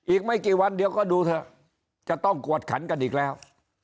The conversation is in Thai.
อีกไม่กี่วันเดียวก็ดูเถอะจะต้องกวดขันกันอีกแล้ว